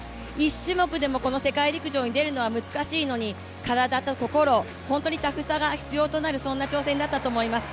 １種目でもこの世界陸上に出るのは難しいのに体と心、本当にタフさが必要となる挑戦だったと思います。